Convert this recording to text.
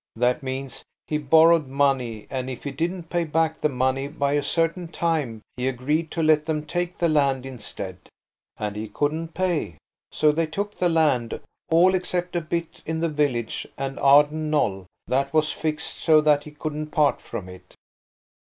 That means he borrowed money, and if he didn't pay back the money by a certain time he agreed to let them take the land instead. And he couldn't pay; so they took the land–all except a bit in the village and Arden Knoll–that was fixed so that he couldn't part from it."